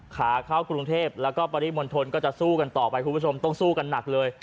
ขาเข้ากรุงเทพแล้วก็ปริมณฑลก็จะสู้กันต่อไปคุณผู้ชมต้องสู้กันหนักเลย